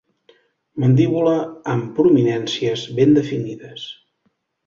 Mandíbula amb prominències ben definides.